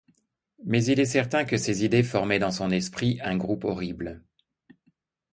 Mais il est certain que ces idées formaient dans son esprit un groupe horrible.